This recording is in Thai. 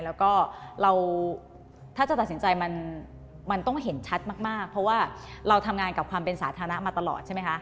แล้วก็เราถ้าจะตัดสินใจมันต้องเห็นชัดมากเพราะว่าเราทำงานกับความเป็นสาธารณะมาตลอดใช่ไหมคะ